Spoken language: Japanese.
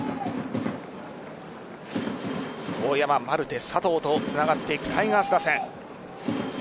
大山、マルテ、佐藤とつながっていくタイガース打線。